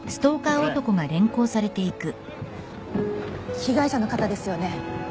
被害者の方ですよね？